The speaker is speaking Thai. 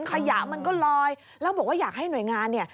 ขยะมันก็ลอยแล้วบอกว่าอยากให้หน่วยงานเนี่ย